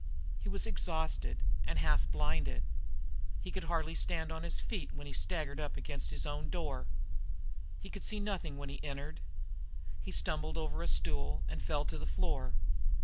He was exhausted, and half blinded. He could hardly stand on his feet when he staggered up against his own door. He could see nothing when he entered. He stumbled over a stool, and fell to the floor.